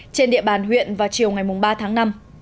trên địa bàn huyện vào chiều ngày ba tháng năm